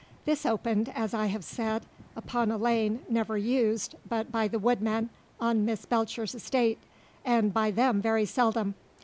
This opened, as I have said, upon a lane never used but by the woodmen on Miss Belcher's estate, and by them very seldom.